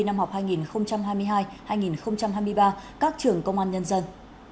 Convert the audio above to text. năm học hai nghìn hai mươi hai hai nghìn hai mươi ba các trường công an nhân dân